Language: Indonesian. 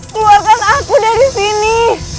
keluarkan aku dari sini